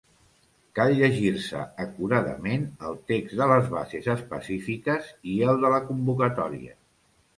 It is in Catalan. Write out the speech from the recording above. Cal llegir-se acuradament el text de les bases específiques i el de la convocatòria.